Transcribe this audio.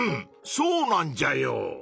そうなんじゃよ！